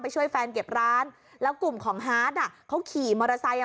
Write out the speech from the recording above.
ช่วยแฟนเก็บร้านแล้วกลุ่มของฮาร์ดอ่ะเขาขี่มอเตอร์ไซค์อ่ะ